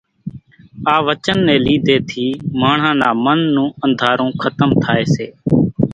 آ وچن ني ليڌي ٿي ماڻۿان نا من نون انڌارو کتم ٿائي سي